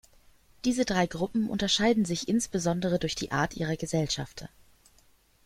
Diese drei Gruppen unterscheiden sich insbesondere durch die Art ihrer Gesellschafter.